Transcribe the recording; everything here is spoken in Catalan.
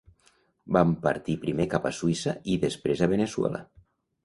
Van partir primer cap a Suïssa i després a Veneçuela.